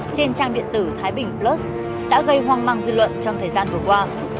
trên trang điện tử thái bình plus đã gây hoang mang dư luận trong thời gian vừa qua